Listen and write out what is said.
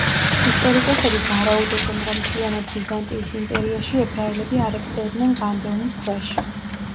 ისტორიკოსები ვარაუდობენ, რომ მთლიანად ბიზანტიის იმპერიაში ებრაელები არ ექცეოდნენ განდევნის ქვეშ.